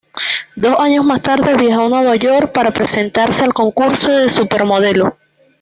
Dos años más tarde viajó a Nueva York para presentarse al concurso de Supermodelo.